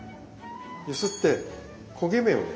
揺すって焦げ目をね